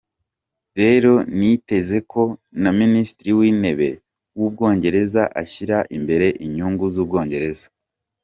Rero, niteze ko na minisitiri w'intebe w'Ubwongereza ashyira imbere inyungu z'Ubwongereza".